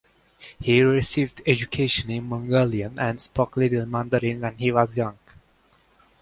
He received education in Mongolian and spoke little Mandarin when he was young.